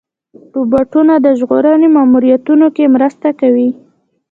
روبوټونه د ژغورنې ماموریتونو کې مرسته کوي.